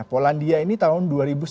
polandia ini tahun dua ribu sembilan belas